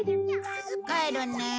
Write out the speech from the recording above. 帰るね。